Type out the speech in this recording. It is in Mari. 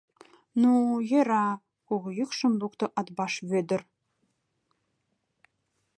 — Ну, йӧра, — кугу йӱкшым лукто Атбаш Вӧдыр.